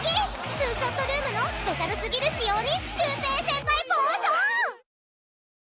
ツーショットルームのスペシャルすぎる仕様にシュウペイ先輩暴走！